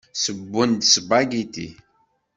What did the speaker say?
Ssewwen-d aspagiti.